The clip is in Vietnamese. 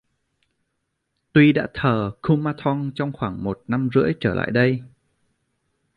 Tuy đã thờ kumanthong trong khoảng một năm rưỡi trở lại đây